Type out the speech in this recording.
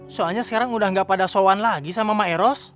soalnya sekarang udah gak pada sowan lagi sama maeros